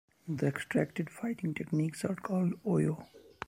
The extracted fighting techniques are called "Oyo".